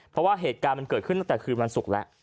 เพราะว่าเหตุการณ์มันเกิดขึ้นตั้งแต่คืนวันศุกร์แล้ว